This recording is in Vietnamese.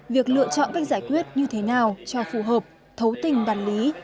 việc lựa chọn cách giải quyết như thế nào cho phù hợp thấu tình bản lý